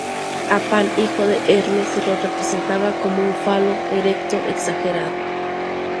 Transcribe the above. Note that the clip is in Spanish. A Pan, hijo de Hermes, se lo representaba con un falo erecto exagerado.